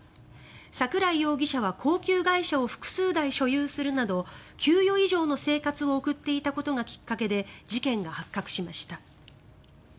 桜井容疑者は高級外車を複数台所有するなど給与以上の生活を送っていたことがきっかけで事件が発覚しました。